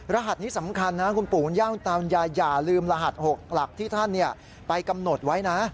รหัสนี้สำคัญนะคุณปู่อย่าลืมรหัส๖หลักที่ท่านไปกำหนดไว้นะ